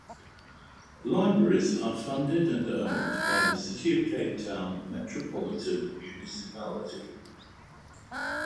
Libraries are funded and owned by the City of Cape Town Metropolitan municipality.